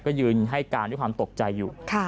ก็ยืนให้การด้วยความตกใจอยู่